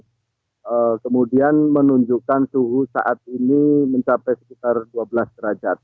nah kemudian menunjukkan suhu saat ini mencapai sekitar dua belas derajat